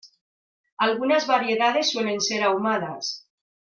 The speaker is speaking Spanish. Algunas variedades suelen ser ahumadas.